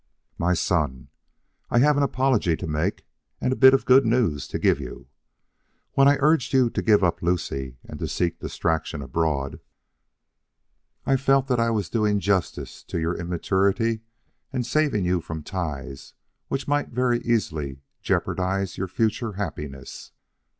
My Son: I have an apology to make and a bit of news to give you. When I urged you to give up Lucie and to seek distraction abroad, I felt that I was doing justice to your immaturity and saving you from ties which might very easily jeopardize your future happiness.